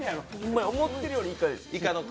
思っているよりイカです。